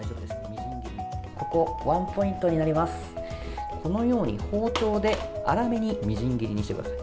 このように包丁で粗めにみじん切りにしてください。